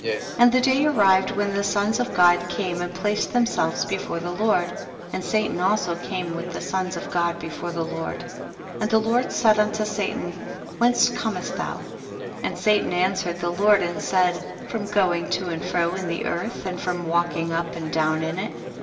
46. And the day arrived when the sons of God came and placed them selves before the Lord, and Satan also came with the sons of God before the Lord. 47. And the Lord said unto Satan, whence comest thou ? and Satan an swered the Lord and said, from go ing to and fro in the earth, and from walking up and down in it.